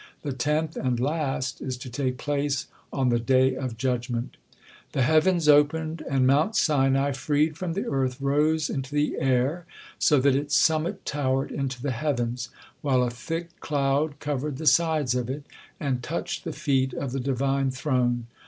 The tenth and last is to take place on the Day of Judgement. The heavens opened and Mount Sinai, freed from the earth, rose into the air, so that its summit towered into the heavens, while a thick cloud covered the sides of it, and touched the feet of the Divine Throne.